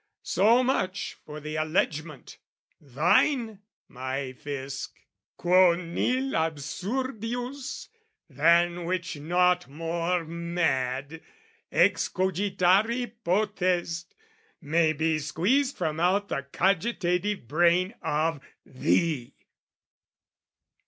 So much for the allegement, thine, my Fisc, Quo nil absurdius, than which nought more mad. Excogitari potest, may be squeezed From out the cogitative brain of thee!